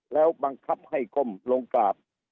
แล้วบังคับให้ก้มลงกราบ